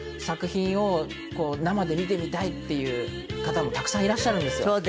作品を生で見てみたいっていう方もたくさんいらっしゃるんですよ。